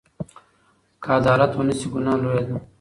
که عدالت ونشي، ګناه لویه ده.